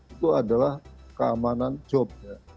itu adalah keamanan job